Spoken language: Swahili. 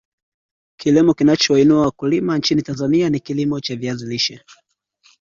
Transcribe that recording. kilimo kinachowainua wakulima nchini Tanzania ni kilimo cha viazi lishe